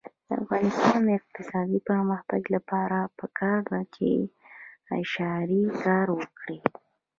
د افغانستان د اقتصادي پرمختګ لپاره پکار ده چې اشارې کار وکړي.